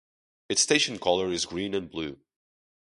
Its station colour is green and blue.